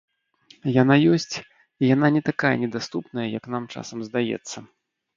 Яна ёсць і яна не такая недаступная, як нам часам здаецца.